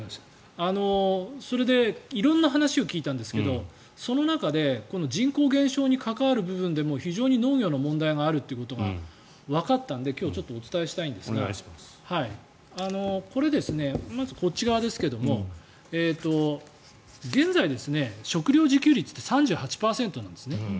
それで色んな話を聞いたんですがその中で人口減少に関わる部分でも非常に農業の問題があるということがわかったので今日、お伝えしたいんですがまずこっち側ですが現在、食料自給率って３８％なんですね。